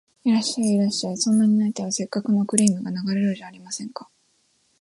いらっしゃい、いらっしゃい、そんなに泣いては折角のクリームが流れるじゃありませんか